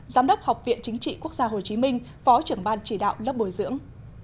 giám đốc học viện chính trị quốc gia hồ chí minh phó trưởng ban chỉ đạo lớp bồi dưỡng